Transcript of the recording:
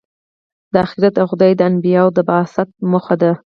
دا آخرت او خدای د انبیا د بعثت موخه ده.